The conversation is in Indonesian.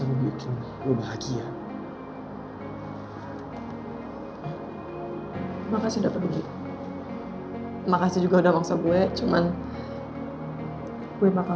barunya pakai aplikasi ya pak